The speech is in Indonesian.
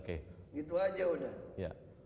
gitu aja udah